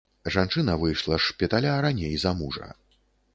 Жанчына выйшла з шпіталя раней за мужа.